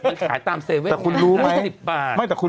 มันขายตามเซเว่น๕๐บาท